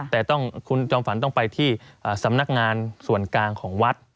แต่คุณจอมฝันต้องไปที่สำนักงานส่วนกลางของวัด